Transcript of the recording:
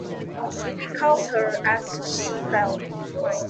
He caught her as she fell.